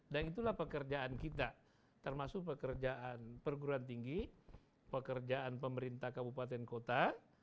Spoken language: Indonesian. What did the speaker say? dan itulah pekerjaan kita termasuk pekerjaan perguruan tinggi pekerjaan pemerintah kabupaten kota